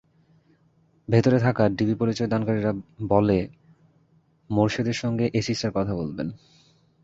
ভেতরে থাকা ডিবি পরিচয়দানকারীরা বলে, মোরশেদের সঙ্গে এসি স্যার কথা বলবেন।